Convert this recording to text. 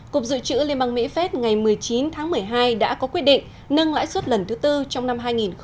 cục dự trữ liên bang mỹ phép ngày một mươi chín tháng một mươi hai đã có quyết định nâng lãi suất lần thứ tư trong năm hai nghìn hai mươi